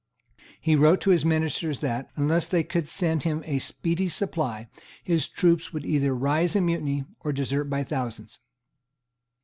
He wrote to his Ministers that, unless they could send him a speedy supply, his troops would either rise in mutiny or desert by thousands.